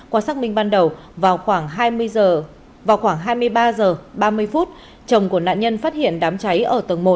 qua xác minh ban đầu vào khoảng hai mươi ba h ba mươi chồng của nạn nhân phát hiện đám cháy ở tầng một